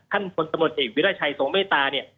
ท่านบนตำรวจเอกวิราชัยสงมเมตตาเนี่ย